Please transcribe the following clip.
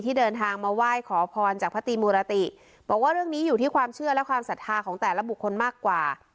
เดินทางมาไหว้ขอพรจากพระตีมูรติบอกว่าเรื่องนี้อยู่ที่ความเชื่อและความศรัทธาของแต่ละบุคคลมากกว่า